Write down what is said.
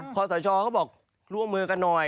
ขอสชเขาบอกร่วมมือกันหน่อย